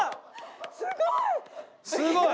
すごい！